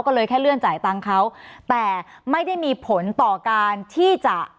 ก็เลยแค่เลื่อนจ่ายตังค์เขาแต่ไม่ได้มีผลต่อการที่จะ